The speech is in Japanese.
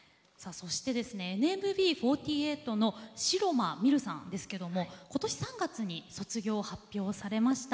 そしてＮＭＢ４８の白間美瑠さんですけれどもことし３月に卒業を発表されました。